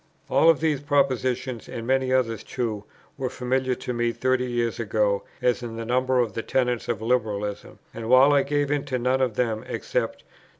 All of these propositions, and many others too, were familiar to me thirty years ago, as in the number of the tenets of Liberalism, and, while I gave into none of them except No.